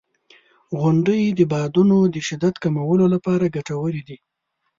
• غونډۍ د بادونو د شدت کمولو لپاره ګټورې دي.